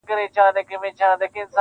• نن به دي سېل د توتکیو تر بهاره څارې -